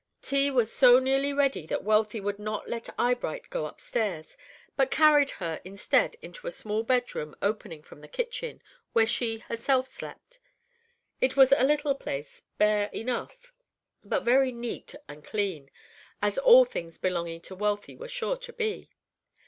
Tea was so nearly ready that Wealthy would not let Eyebright go upstairs, but carried her instead into a small bedroom, opening from the kitchen, where she herself slept. It was a little place, bare enough, but very neat and clean, as all things belonging to Wealthy were sure to be.